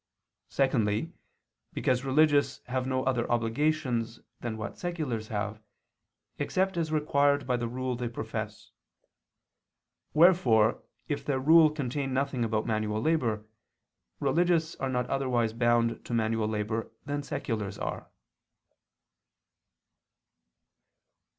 Secondly, because religious have no other obligations than what seculars have, except as required by the rule they profess: wherefore if their rule contain nothing about manual labor, religious are not otherwise bound to manual labor than seculars are.